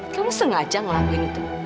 kamu sengaja ngelakuin itu